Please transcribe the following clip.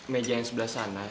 meja yang sebelah sana